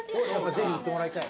ぜひ行ってもらいたい。